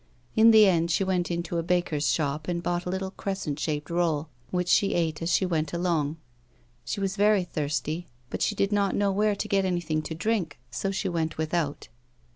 In the end she went into a baker's shop, and bought a little crescent shaped roll, which she ate as she went along. She was very thirsty, but she did not know where to go to get anything to drink, so she went without.